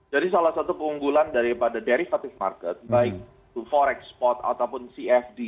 jadi salah satu keunggulan daripada derivative market baik forex spot ataupun cfd